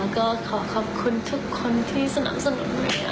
ก็ขอขอบคุณทุกคนที่สนับสนุน